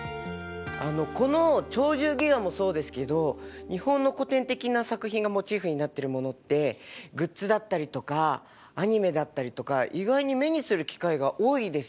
この「鳥獣戯画」もそうですけど日本の古典的な作品がモチーフになってるものってグッズだったりとかアニメだったりとか意外に目にする機会が多いですよね。